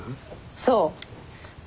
そう。